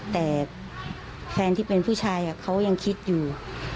แต่แฟนที่เป็นผู้ชายเขายังคิดอยู่